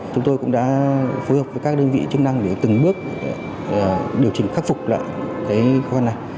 chúng tôi cũng đã phối hợp với các đơn vị chức năng để từng bước điều chỉnh khắc phục lại cái khó khăn này